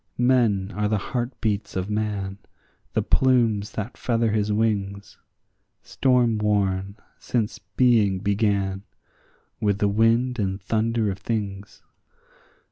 Men are the heartbeats of man, the plumes that feather his wings, Storm worn, since being began, with the wind and thunder of things.